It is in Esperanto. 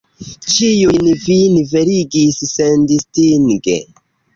Ĉiujn vi niveligis sendistinge.